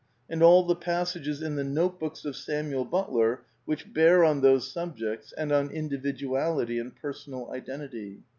and all the passages in The Note Books of Samuel Butler which bear on those subjects and on individuality and Personal Identity.